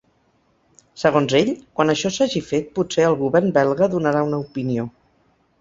Segons ell, quan això s’hagi fet potser el govern belga donarà una opinió.